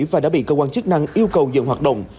và đã bị cơ quan chức năng yêu cầu dừng hoạt động